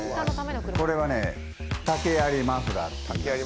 これはね竹やりマフラーっていいます